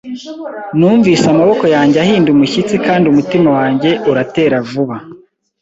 Numvise amaboko yanjye ahinda umushyitsi kandi umutima wanjye uratera vuba.